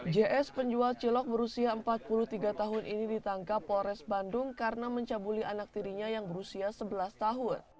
js penjual cilok berusia empat puluh tiga tahun ini ditangkap polres bandung karena mencabuli anak tirinya yang berusia sebelas tahun